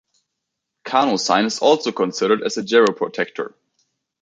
Carnosine is also considered as a geroprotector.